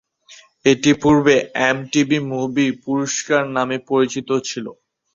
এটি পূর্বে MTV movie পুরস্কার নামে পরিচিত ছিল।